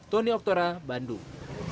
tony oktora bandung